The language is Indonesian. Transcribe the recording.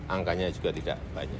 angkanya juga tidak banyak